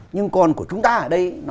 nhưng còn của chúng ta ở đây